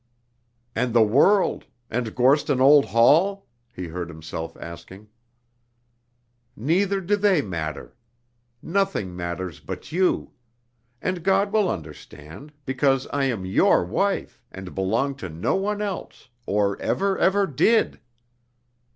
"And the world and Gorston Old Hall?" he heard himself asking. "Neither do they matter. Nothing matters but you. And God will understand because I am your wife, and belong to no one else, or ever, ever did."